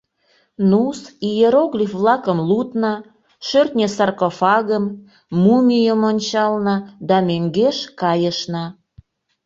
Ну-с, иероглиф-влакым лудна, шӧртньӧ саркофагым, мумийым ончална да мӧҥгеш кайышна.